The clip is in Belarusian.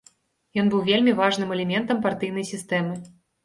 Ён быў вельмі важным элементам партыйнай сістэмы.